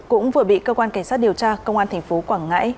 cũng vừa bị cơ quan cảnh sát điều tra công an tp quảng ngãi